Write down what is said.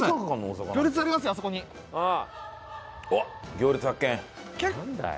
行列発見。